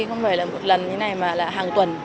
không phải là một lần như thế này mà là hàng tuần